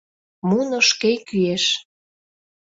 — Муно шке кӱэш.